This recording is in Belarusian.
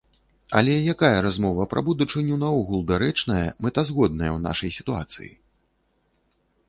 Але якая размова пра будучыню наогул дарэчная, мэтазгодная ў нашай сітуацыі?